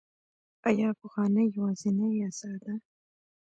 آیا افغانۍ یوازینۍ اسعار ده؟